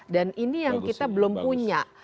dan ini yang kita belum punya